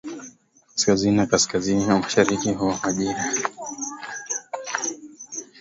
Kaskazini na kaskazini ya mashariki huwa na majira